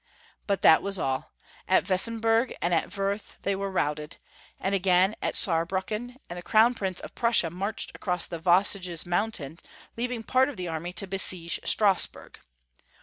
But Wilhelm L 471 that was all ; at Weissenburg and at Worth they were routed, and again at Saarbrucken, and the Crown Prince of Prussia marched across the Vosges mountains, leaving part of the army to be siege Strasbiu'g.